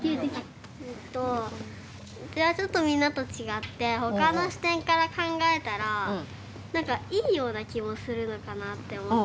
えっとうちはちょっとみんなと違って他の視点から考えたら何かいいような気もするのかなって思って。